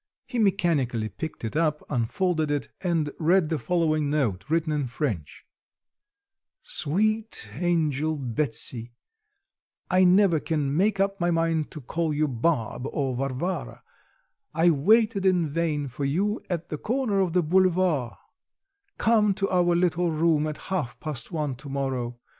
He mechanically picked it up, unfolded it, and read the following note, written in French: "Sweet angel Betsy (I never can make up my mind to call you Barbe or Varvara), I waited in vain for you at the corner of the boulevard; come to our little room at half past one to morrow.